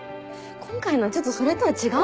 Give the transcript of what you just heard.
今回のはちょっとそれとは違う。